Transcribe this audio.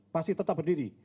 pasti tetap berdiri